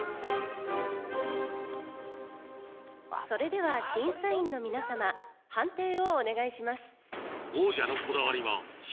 それでは審査員の皆さま判定をお願いします。